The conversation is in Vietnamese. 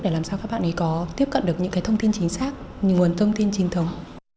để làm sao các bạn có tiếp cận được những thông tin chính xác nguồn thông tin chính thống